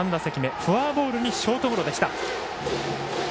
フォアボールにショートゴロでした。